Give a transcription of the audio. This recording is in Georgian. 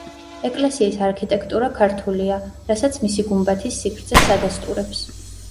ეკლესიის არქიტექტურა ქართულია, რასაც მისი გუმბათის სიგრძეც ადასტურებს.